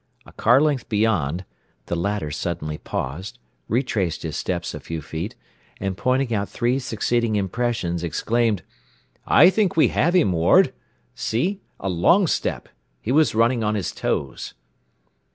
A car length beyond, the latter suddenly paused, retraced his steps a few feet, and pointing out three succeeding impressions, exclaimed, "I think we have him, Ward! See? A long step! He was running on his toes."